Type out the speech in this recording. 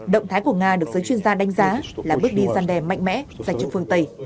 động thái của nga được giới chuyên gia đánh giá là bước đi gian đe mạnh mẽ dành cho phương tây